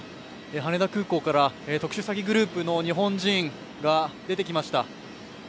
羽田空港から特殊詐欺グループの日本人が出てきました。